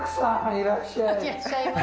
いらっしゃいませ。